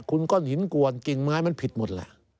คุณก้อนหินกวนกิ่งไม้มันผิดหมดแหละ